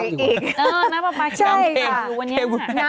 น้ำปลาปลาเค็มอยู่วันนี้นะคะ